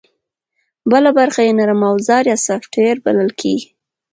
بله برخه یې نرم اوزار یا سافټویر بلل کېږي